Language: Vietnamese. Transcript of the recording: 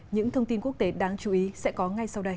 những thông tin quốc tế đáng chú ý sẽ có ngay sau đây